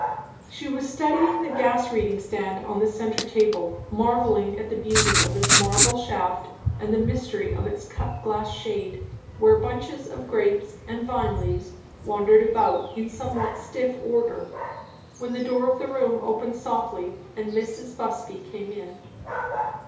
She was studying the gas reading stand on the centre table, marvelling at the beauty of its marble shaft and the mystery of its cut glass shade, where bunches of grapes and vine leaves wandered about in somewhat stiff order; when the door of the room opened softly and Mrs. Busby came in.